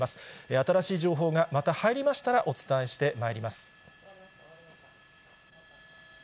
新しい情報がまた入りましたらお伝えしてまいります。